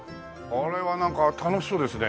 これはなんか楽しそうですね。